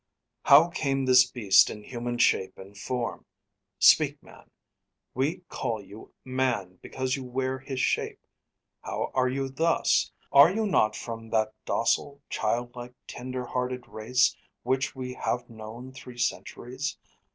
How came this beast in human shape and form? Speak, man! We call you man because you wear His shape How are you thus? Are you not from That docile, child like, tender hearted race Which we have known three centuries?